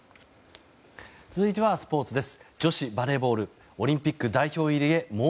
続いてはスポーツです。